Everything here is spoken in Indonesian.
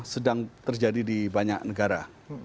sedang terjadi di banyak negara